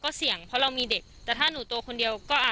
ก็กลายเป็นว่าติดต่อพี่น้องคู่นี้ไม่ได้เลยค่ะ